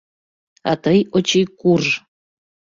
А тый, Очи, курж.